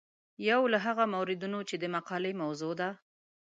یو له هغو موردونو چې د مقالې موضوع ده.